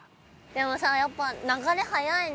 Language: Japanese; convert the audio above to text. でもさやっぱ流れ速いね。